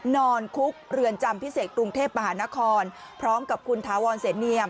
นอนคุกเรือนจำพิเศษกรุงเทพมหานครพร้อมกับคุณถาวรเสนเนียม